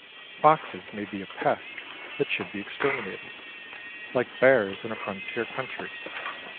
Foxes may be a pest that should be exterminated, like bears in a frontier country.